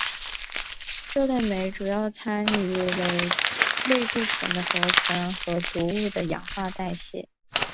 这类酶主要参与类固醇的合成和毒物的氧化代谢。